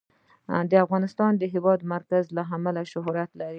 افغانستان د د هېواد مرکز له امله شهرت لري.